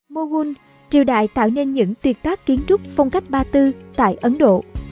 mughun triều đại tạo nên những tuyệt tác kiến trúc phong cách ba tư tại ấn độ